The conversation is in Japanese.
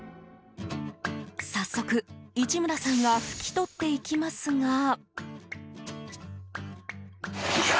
早速、市村さんが拭き取っていきますが。